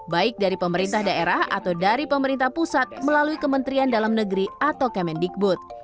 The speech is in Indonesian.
baik dari pemerintah daerah atau dari pemerintah pusat melalui kementerian dalam negeri atau kemendikbud